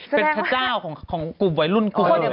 เป็นพระเจ้าของกลุ่มวัยรุ่นกลุ่มเดียว